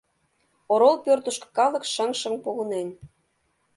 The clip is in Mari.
Орол пӧртышкӧ калык шыҥ-шыҥ погынен.